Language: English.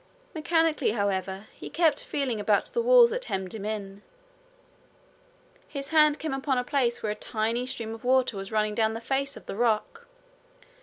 Mechanically, however, he kept feeling about the walls that hemmed him in. His hand came upon a place where a tiny stream of water was running down the face of the rock.